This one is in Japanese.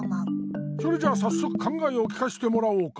それじゃあさっそく考えを聞かせてもらおうか。